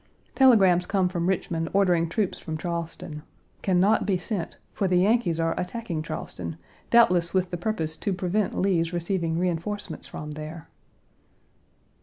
Telegrams come from Richmond ordering troops from Charleston. Can not be sent, for the Yankees are attacking Charleston, doubtless with the purpose to prevent Lee's receiving reenforcements from there.